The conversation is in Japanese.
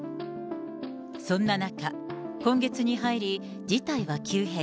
そんな中、今月に入り、事態は急変。